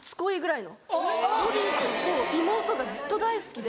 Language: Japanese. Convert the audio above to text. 妹がずっと大好きで。